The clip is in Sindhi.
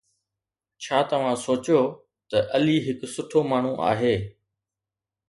ڇا توهان سوچيو ته علي هڪ سٺو ماڻهو آهي؟